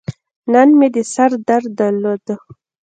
نن مې د سر درد درلود.